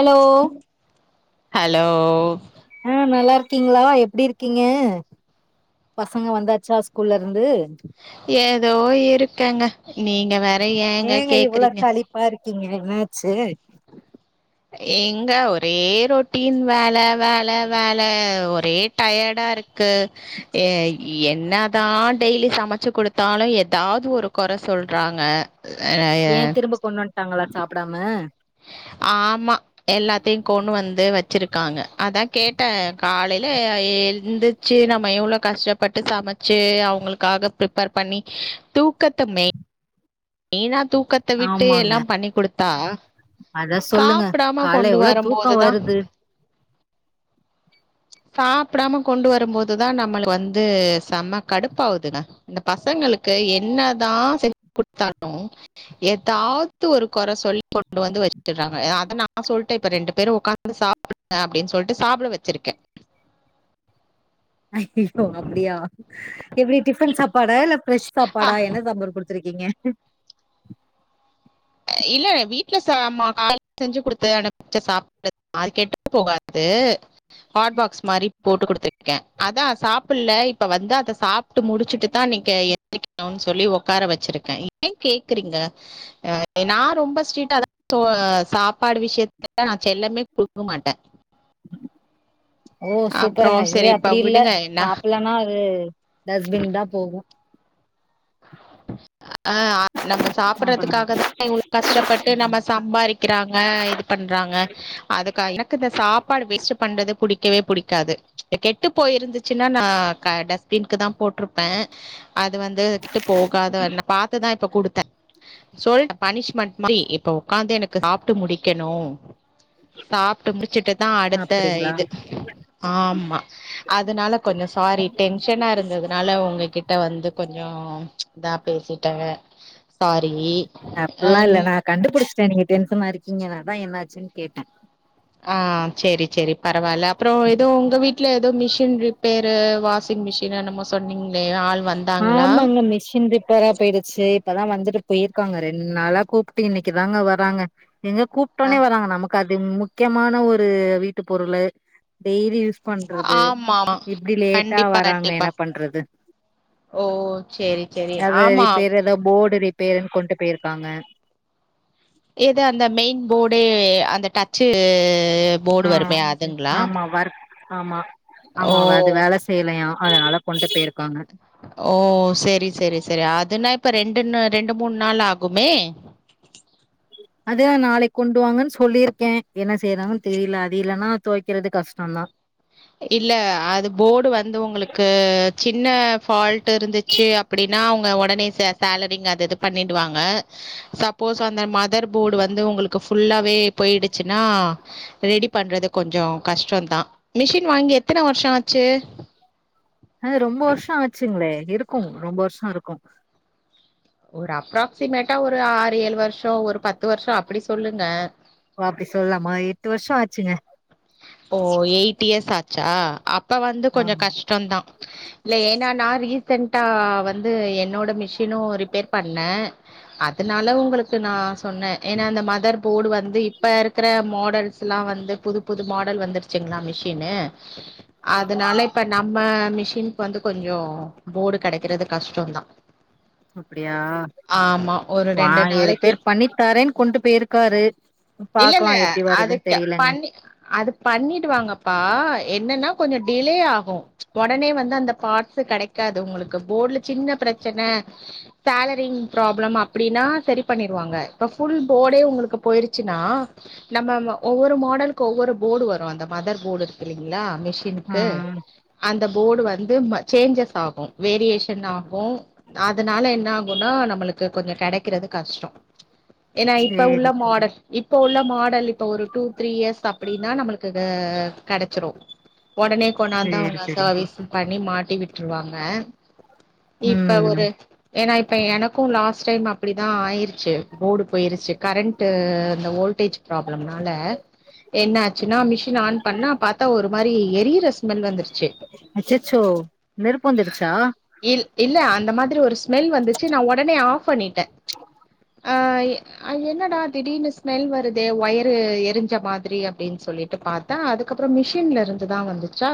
Hello hello ஆ நல்லா இருக்கீங்ளா எப்டி இருக்கீங்க பசங்க வந்தாச்சா ஸ்கூல்லருந்து ஏதோ இருக்கேங்க நீங்க வேற ஏங்க கேக்குறீங்க இதுவா இருக்கீங்க என்னாச்சு எங்க ஒரே ரொட்டின் வேல வேல வேல ஒரே டயர்டா இருக்கு க்கு ஏ என்னதா டெய்லி சமச்சு குடுத்தாலு எதாது ஒரு கொற சொல்றாங்க ஏ அஹ், திரும்ப கொண்வட்டாங்களா சாப்டாம ஆமா எல்லாத்தயு கொண்டு வந்து வச்சுருக்காங்க அதா கே ட்ட காலைல எந்திச்சு நம்ம எவ்ளோ கஷ்டப பட்டு சமச்சு அவுங்ளுக்காக பிரிப்பர் பன்னி தூக்கத்த மெ மெய்னா தூக்கத்த விட்டு ஆமாங்க எல்லா பண்ணி குடுத்தா அத சொல்லுங்க சாப்டாம கால்ல கொண்டு எவ்ளோ தூக்கோ வரம்போதுதா வருது சாப்டாம கொண்டு வரு போதுதா நம்மள்க் வந்து செம்ம கடுப்பாவுதுங்க இந்த பசங்களுக்கு என்னதா செஞ்சு குடுத்தாலூ ஏதாவது ஒரு கொற சொல்லி கொண்டு வந்து வச்சிட்றாங்க அதா நா சொல்ட்டே இப்ப ரெண்டு பேரூ ஒக்காந்து சாப்டு ங்க அப்டின் சொல்ட்டு சாப்ட வச்சிர்க்கே ஐயயோ அப்டியா எப்டி டிஃபன் சாப்பாடா இல்ல ப்ரெஷ் அ சாப்பாடா என்ன சாப்பாடு குடுத் த்ருக்கீங்க இல்ல வீட்ல ச காலயில செஞ்சு குடுத்த அனுப்ச்ச சாப்டு அது கெட்டு போகாது ஹாட்பாக்ஸ் மாரி போட்டு குடுத்துர்க்கே அதா சாப்டல இப்ப வந்து அத சாப் ட்டு முடிச்சுட்டு தா நீங்க எந்திரிக்கணு சொல்லி ஒக்கார வச்சிருக்கே ஏ கேக்குறீங்க அ நா ரொம்ப ஸ்ட்ரிட்டா தா தொ சாப்பாடு விஷயத்லலா நா செல்லமே குடுக்க மாட்டே ஓ சூப்பருங்க அப்புறம் இங்க சரி அப்டி இப்ப இல்ல விடுங்க என்ன சாப்ட்லனா அது டஸ்ட்பின் தா போகு அ நம்ம சாப்ட்றதுக்காக தானே இவ்ளோ கஷ்டப்பட்டு நம்ம சம்பாரிக்கிறாங்க இது பண்றாங்க அதுக்கா எனக்கு இந்த சாப்பாடு வேஸ்ட் பண்றது புடிக்கவே புடிக்காது கெட்டு போயிருந்துச்சுன்னா நா டஸ்பினுக்கு தா போட்ரு ப்பே அது வந்து கெட்டு போகாதா ந பாத்துதா இப்ப குடுத்தே சொல்ட்ட பனிஷ்மென்ட் மாரி இப்ப ஒக்காந்து எனக்கு சாப்ட்டு முடிக்கனு சாப்ட்டு முடிச்சுட்டுதா அடுத்த அப்டிங்களா இது ஆம்மா அதனால கொஞ்சோ சாரி டென்ஷனா இருந்ததுனால ஒங்ககிட்ட வந்து கொஞ்சோ இதா பேசிட்டேங்க அப்பில்லா இல்ல நா கண்டுபுடிச்சிட்டே நீங்க டென்சனா இருக்கீங்கனு அதா என்னாச்சின்னு கேட்டே ஆ செரி செரி பரவால்ல அப்பறோ எதோ உங்க வீட்ல எதோ machine repair washing machine என்னமோ சொன்னீங்ளே ஆள் வந் ஆமாங்க மிஷின் ரிப் ரிப்பேரா போயிடுச்சி இப்பதா வந்துட்டு போயிருக்காங்க ரெண்ட் நாளா கூப்ட்டு இன்னிக்குதாங்க வராங்க எங்க ஆ கூப்ட்டோனே வராங்க நமக்கு அது முக்கியமான ஒரு வீட்டு பொருளு டெய்லி யூஸ் பண்றது ஆமா ஆமா இப்டி லேட்டா கண்டிப்பா வராங்க கண்டிப்பா என்ன பண்றது ஓ செரி அது ரிப்பேரு எதோ போர்டு ரிப்பேர்ன்னு கொண்டு போயிர்க்காங்க எது அந்த மெயின் போர்டே அந்த டச்சு போர்டு ஆ வருமே அதுங்களா ஆமா வர்க் ஆமா ஓ! ஆமா அது வேல செய் செய்யலயா அதனால கொண்டு போயிர்க்காங்க ஓ செரி செரி செரி அதுன்னா இப்ப ரெண்டுன்னு ரெண்டு மூண் நாள் ஆகுமே அதா நாளைக் கொண்டு வாங்கன்னு சொல்லிருக்கே என்ன செய்றாங்கன்னு தெரில அது இல்லன்னா தொவைக்கிறது கஷ்டந்தா இல்ல அது போர்டு வந்து உங்களுக்கு சின்ன ஃபால்ட் இருந்துச்சு அப்படின்னா அவுங்க உடனே ச சேலரிங் அது இது பண்ணிடுவாங்க சப்போஸ் அந்த மதர் போர்டு வந்து உங்களுக்கு ஃபுல்லாவே போயிடுச்சுன்னா ரெடி பண்றது கொஞ்சோ கஷ்டந்தா மிஷின் வாங்கி எத்தன வருஷ ஆச்சு அது ரொம்ப வருஷ ஆச்சுங்களே இருக்கு ரொம்ப வர்ஷோ இருக்கு ஒரு அப்ராக்சிமேட்டா ஒரு ஆறு ஏழு வருஷோ ஒரு பத்து வருஷோ அப்டி சொல்லுங்க ஓ அப்டி சொல்லாமா எட்டு வருஷ ஆச்சுங்க ஓ எயிட் இயர்ஸ் ஆச்சா அப்ப வந்து கொஞ்ச ஆமா கஷ்டந்தா இல்ல ஏன்னா நான் ரீசென்டா வந்து என்னோட மிஷினு ரிப்பேர் பண்ணே அதனால உங்களுக்கு நா சொன்னே ஏன்னா அந்த மதர் போர்டு வந்து இப்ப இருக்கிற மாடல்ஸ் ஸ்லா வந்து புது புது மாடல் வந்துருச்சுங்களா மிஷின்னு அதுனால இப்ப ந ம்ம மிஷின்க்கு வந்து கொஞ்சோ போர்டு கிடைக்கிறது கஷ்டந்தா அப்படியா ஒரு வா ரெண்டு நாளைக்கி ரிப்பேர் பண்ணி தாரேன்னு கொண்டு போயிருக்காரு இல்ல இல்ல பாக்கலா எப்டி வருதுன்னு அதுக்கு தெரியலங்க பண்ணி அது பண்ணிடுவாங்கப்பா என்னன்னா கொஞ்ச டிலே ஆகு உடனே வந்து அந்த பார்ட்ஸ் கிடை க்காது உங்களுக்கு போர்டுல சின்ன பிரச்சனை சேலரிங் ப்ராப்ளம் அப்படின்னா சரி பண்ணிருவாங்க இப்ப ஃபுல் போர்டே உங்களுக்கு போயிருச்சுன்னா நம்ம ம ஒவ்வொரு மாடலு க் ஒவ்வொரு போர்டு வரு அந்த மதர் போர்டு இருக்கு இல்லைங்களா ஆ மிஷின்க்கு அந்த போர்டு வந்து சேஞ்சஸ் ஆகு வேரியேஷன் ஆகு அதுனால என்ன ஆகுன்னா நம்மளுக்கு கொஞ்சோ கிடைக்கிறது கஷ்டோ ஏனா இப்ப உள்ள சேரி சேரி மாடல் இப்ப உள்ள மாடல் இப்ப ஒரு டூ த்ரீ இயர்ஸ் அப்டின்னா நம்ளுக்கு கெடைச்சிரு ஒடனே கொண்டாந்து சேரி அவுங்க அ சேரி செர்வீஸ் பண்ணி மாட்டி விட்டுருவாங்க இப்ப ம் ஒரு ஏனா இப்ப எனக்கு லாஸ்ட் டைம் அப்டி தா ஆயிருச்சு போர்டு போயிருச்சு கரண்ட்டு இந்த வோல்டேஜ் ப்ராப்ளம்னால என்ன ஆச்சுன்னா மிஷின் ஆன் பண்ணா பாத்தா ஒரு மாரி எரியிற ஸ்மெல் வந்துருச்சு அச்சச்சோ நெருப்பு வந்துடுச்சா இ இல்ல அந்த மாரி ஒரு ஸ்மெல் வந்துச்சு நா ஒடனே ஆஃப் பண்ணிட்டே ஆ என்னடா திடீர்னு ஸ்மெல் வருதே ஒய்ரு எரிஞ்ச மா திரி அப்டினு சொல்லிட்டு பாத்தா அதுக்கப்றோ மிஷின்லருந்துதா வந்துச்சா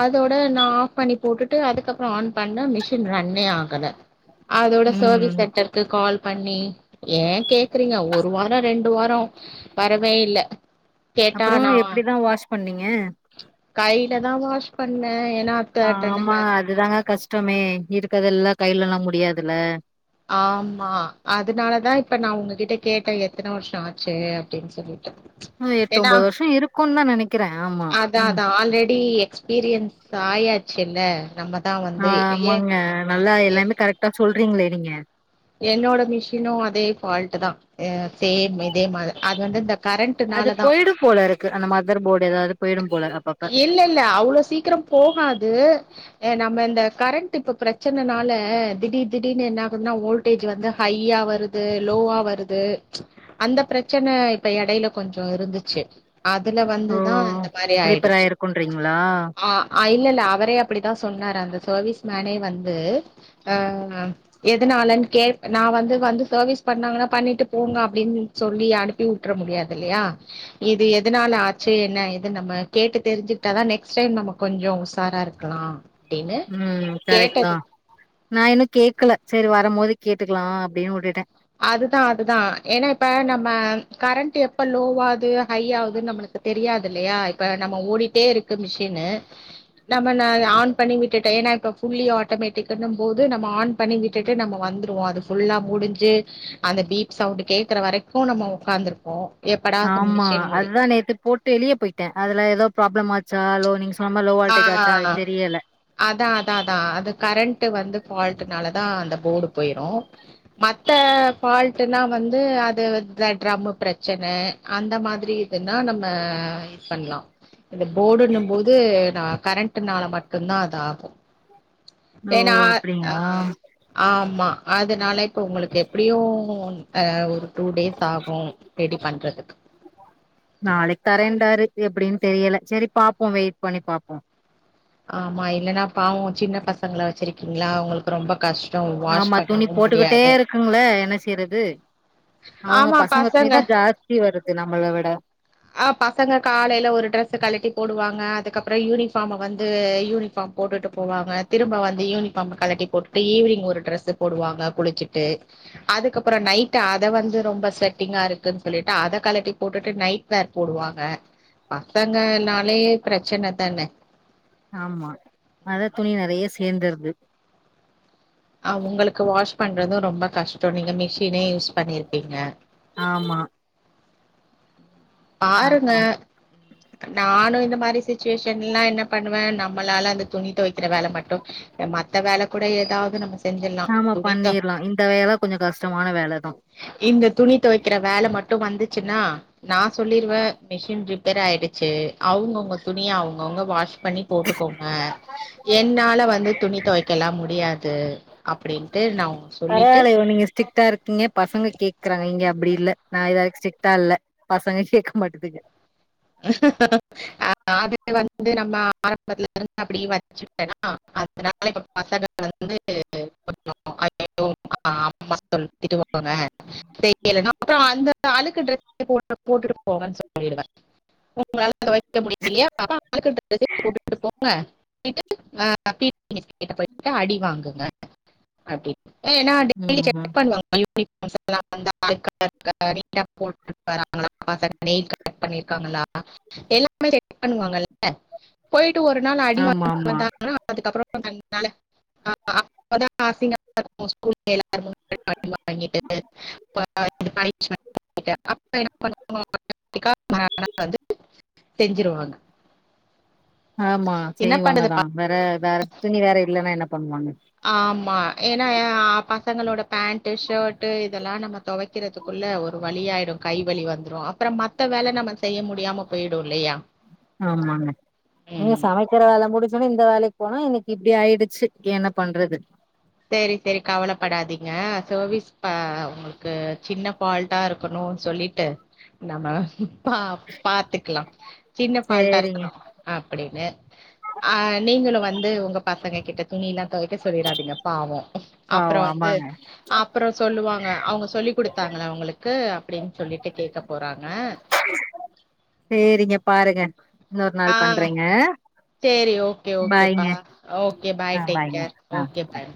அதோட நா ஆஃப் பண்ணி போட்டுட்டு அதுக்கப்றோ ஆன் பண்ண மிஷின் ரன்னே ஆகல அதோட செர்வீஸ் ம் சென்டர் க்கு கால் பண்ணி ஏ கேக்குறீங்க ஒரு வாரோ ரெண்டு வாரோ வரவே இல்ல கேட்டா அப்றோ நா எப்டிதா வாஷ் பண்ணீங்க கைல தா வாஷ் பண்ணே ஏனா ஆமா அதுதாங்க கஷ்டமே இருக்கதெல்லா கைலல்லா முடியாதுல ஆம்மா அதனாலதா இப்ப நா உங்ககிட்ட கேட்டே எத்தன வருஷ ஆச்சி அப்டின்னு சொல்லிட்டு ம் எட்டு என்னா ஒன்பது வருஷோ இருக்குன்னு தா நெனைக்கிறே ஆமா அதா ம் அதா ஆல்ரெடி எக்ஸ்பீரியன்ஸ் ஆயாச்சுல்ல நம்ம ஆமாங்க நல்லா எல்லாமே கரெக்டா சொல்றீங்ளே நீங்க என்னோட மிஷினு அதே ஃபால்ட் தா அ சேம் இதே மாரி அது வந்து இந்த அது கரண்ட்னால தா போயிடும் போல இருக்கு அந்த மதர் போர்டு ஏதாவது போயிடும் போல அப்பப்ப இல்ல இல்ல அவ்ளோ சீக்கிரம் போகாது நம்ம இந்த கரண்ட் இப்ப ப்ரச்சனனால திடீர் திடீர்னு என்னா ஆகுனா ஓல் டேஜ் வந்து ஹைய்யா வருது லோவா வருது அந்த ப்ரச்சன இப்ப எடைல கொஞ்சோ இருந்துச்சு அதுல வந்துதா இந்த மாரி ரிப்பேர் ஆயிடுச்சு ஆயிருக்குன்றீங்களா ஆ ஆ இல்ல இல்ல அவரே அப்படிதா சொன்னாரு அந்த சேர்வீஸ் மேனே வந்து ஆ எதுநாளட் கே நா வந்து வந்து சர்வீஸ் பண்ணாங்கனா பண்ணிட்டு போங்க அப்டின்னு சொல்லி அனுப்பி வுட்ர முடியாது இல்லயா இது எதனால ஆச்சு என்ன எது நம்ம கேட்டு தெரிஞ்சுட்டாதா நெக்ஸ்ட் டைம் நமக் கொஞ்சோ உசாரா இருக்கலா அப்டின்னு கேட்டது நா இன்னு கேக்கல சேரி வரம் போது கேட்டுக்கலா அப்டின்னு வுட்டுட்டே அதுதா அதுதா ஏனா இப்ப நம்ம கரண்ட் எப்ப லோவாது ஹை ஆகுதுன் நம்ளுக் தெரியாது இல்லயா இப்ப நம்ம ஓடிட்டே இருக்கு மிஷினு நம்ம நா ஆன் பண்ணி விட்டுட்டே ஏனா இப்ப புல்லி ஆட்டோமேட்டிக்னும் போது நம்ம ஆன் பண்ணிவிட்டுட்டு நாம வந்துருவோ அது ஃபுல்லா முடுஞ்சு அந்த பீப் சவுண்ட் கேக்கற வரைக்கு நம்ம உக்காந்துருக்கோ ஆமா அதுதா நேத்து போட் ட்டு வெளிய போயிட்டே அதுல ஏதோ ப்ராப்ளம் ஆச்சா லோ நீங்க சொன்ன மாரி லோ ஆ ஓல்டேஜ் ஆச்சா அது தெரியல அதா அதா அதா அது கரண்ட் வந்து ஃபால்டனாலதா அந்த போர்டு போயிரு மத்த ஃபால்டுனா வந்து அது ட்ரம்மு ப்ரச்சனை அந்த மாரி இதுன்னா நம்ம பண்லா இந்த போர்டுன்னு போது நா கரண்ட் நால மட்டுந்தா அது ஆகு ஓ ஏனா அப்படியா ஆமா அதனால இப்ப உங்ளுக்கு எப்டியு ஆ ஒரு டூ டேஸ் ஆகும் ரெடி பண்றதுக்கு நாளைக்கு தரேண்டாரு எப்டின்னு தெரியல சேரி பாப்போம் வெயிட் பண்ணி பாப்போம் ஆமா இல்லன்னா பாவோ சின்ன பசங்கள வச்சிருக்கீங்களா உங்களுக்கு ரொம்ப கஷ் டம் வாஷ் பண்ணவு முடியாது ங்குல என்ன செய்யறது அவங்க பசங்க துணிதா ஜாஸ்தி வருது நம்மள விட ஆ பசங்க காலையில ஒரு ட்ரெஸ்ஸு கல்ட்டி போடுவாங்க அதுக்கப்புறோ யூனிஃபார்ம் வந்து யூனிஃபார்ம் போட்டுட்டு போவாங்க திரும்ப வந்து யூனிபாம் கலட்டி போட்டு ஈவினிங் ஒரு ட்ரெஸ் போவாங்க குளிச்சிட்டு அதுக்கப்புறோ நைட் அத வந்து ரொம்ப ஸ்வெட்டிங்க இருக்குன்னு சொல்லிட்டு அத கலட்டி போட்டுட்டு நைட் வியர் போடுவாங்க பசங்கனாலே பிரச்சனதானே ஆமா அதா துணி நெறையா சேந்துருது ஆ உங்களுக்கு வாஷ் பண்றதும் ரொம்ப கஷ்டம் நீங்க மிஷினே யூஸ் பண்ணிருபீங்க ஆமா பாருங்க அப்றம் நானு இந்த மாதிரி சிச்சுவேஷன் எல்லாம் என்ன பண்ணுவே நம்மளால அந்த துணி துவைக் கிற வேல மட்டும் மத்த வேல கூட ஏதாவது நம்ம செஞ்சிடலா ஆமா துணி தொ பண்ணிரலா இந்த வேல கொஞ்சோ கஷ்டமான வேல தா இங்க துணி துவைக்கிற வேல மட்டும் வந்துச்சுன்னா நா சொல்லிருவே மிஷின் ரிப்பேர் ஆயிடுச்சு அவங்கவுங்க துணிய அவங்கவுங்க வாஷ் பண்ணி போட்டுக்கோங்க என்னால வந்து துணி துவைக்கலா முடியாது அப்டின்ட்டு நா சொல்லி பரவாலயோ நீங்க ஸ்டிக்டா இருக்கீங்க பசங்க கேக்குறாங்க இங்க அப்டி இல்ல நான் ஏதாதுச்சிக்டா இல்ல பசங்க கேட்க மாட்டதுக ஆ அது வந்து நம்ம ஆரம்பத்துல இருந்து அப்டிய வச்சு ஏன்னா அடுத்த நாளைக்கு பசங்க வந்து [unintelligible] அய்யயோ அம்மா சொல்லிட்டு திட்டுவாங்க செய்யலனா அப்றோ அந்த அலுக்கு ட்ரெஸ் போட்டுட்டு போட்டுட்டு போங்கன்னு சொல்லிடுவே உங்களால துவைக்க முடியலையா அப்ப அழுக்கு டிரஸ்ஸே போட்டுட்டு போங்க ட்டு அ பி டி மிஸ் கிட்ட போயிட்டு அடி வாங்குங்க அப்டி ஏன்னா டெய்லி ம் செக் பண்ணுவாங்க [unintelligible] பண்ணிருக்காங்களா எல்லாமே ரெடி பண்ணுவாங்கல்ல போயிட்டு ஒரு நாள் அடி ஆமா வாங்குனா ஆமா தா அதுக்கு அப்புறோ ரெண்டு நாளு [unintelligible] [unintelligible] [unintelligible] அப்ப என்ன பண்ணு [unintelligible] [unintelligible] மறுநாளாவது செஞ்சிருவாங்க ஆமா என்ன செய்வாங்க பண்ணுது தா பா- வேற வேற துணி வேற இல்லன்னா என்ன பண்ணுவாங்க ஆமா ஏன்னா பசங்களோட பேண்ட்டு ஷர்ட்டு இதல்லா நம்ம தொவை க்கிறதுக்குள்ள ஒரு வழியாயிடு கைவலி வந்துரோ அப்றோ மத்த வேல நம்ம செய்ய முடியாம போயிடு இல்லையா ஆமாங்க நீங்க ம். சமை க்கிற வேல முடிச்சவொன்னே இந்த வேலைக்கு போனா இன்னைக்கு இப்டி ஆயிடுச்சு என்ன பண்றது சேரி சேரி கவலப்படாதீங்க சர்வீஸ் ப உங்களுக்கு சின்ன ஃபால் ட்டா இருக்கனோ சொல்லிட்டு நம்ம பா பாத்துக்லா சின்ன ஃபால்ட்டா சேரிங்க இருக்கனோ அப்டின்னு அ நீங்களு வந்து உங்க பசங்க கிட்ட துணில்லா தோய்க்க சொல்லிறாதீங்க பாவோ பாவோ அப்றோ வந்து ஆமாங்க அப்றோ சொல்லுவாங்க அவுங்க சொல்லி குடுத்தாங்ளா உங்களுக்கு அப்டின் சொல்லிட்டு கேக்க போறாங்க சேரிங்க பாருங்க இன்னொரு ஆ நாள் பண்றேங்க சேரி ஓகே ஓகேப்பா பாய்ங்க ஓகே பாய் ஆ டேக் பாய்ங்க கேர் ஆ ஓகே பாய்